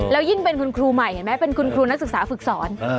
แล้วยิ่งเป็นคุณครูใหม่เห็นไหมเป็นคุณครูนักศึกษาฝึกสอน